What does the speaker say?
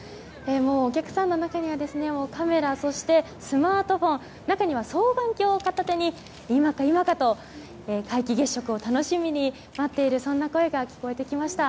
お客さんの中にはカメラ、そしてスマートフォン中には双眼鏡を片手に今か今かと皆既月食を楽しみに待っているそんな声が聞こえてきました。